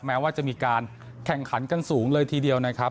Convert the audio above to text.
แม้ว่าจะมีการแข่งขันกันสูงเลยทีเดียวนะครับ